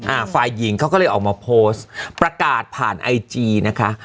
อ่าฝ่ายหญิงเขาก็เลยออกมาโพสต์ประกาศผ่านไอจีนะคะ